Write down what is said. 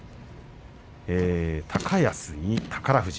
高安に宝富士。